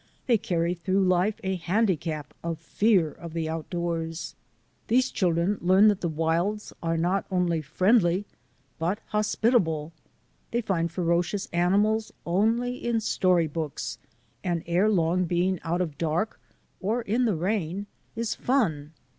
They carry through life a handicap of fear of the out doors. These children learn that the wilds are not only friendly but hospitable; they find ferocious animals only in storybooks, and ere long being out after dark or in the rain is fun.